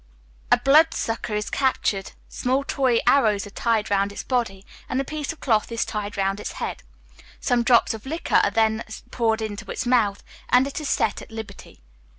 A blood sucker is captured, small toy arrows are tied round its body, and a piece of cloth is tied round its head. Some drops of liquor are then poured into its mouth, and it is set at liberty.